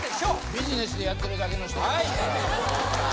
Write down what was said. ビジネスでやってるだけの人もいますから。